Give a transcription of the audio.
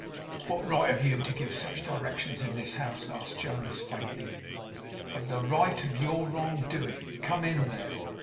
'What right have you to give such directions in this house?' asked Jonas faintly. 'The right of your wrong doing. Come in there!